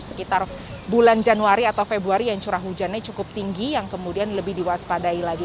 sekitar bulan januari atau februari yang curah hujannya cukup tinggi yang kemudian lebih diwaspadai lagi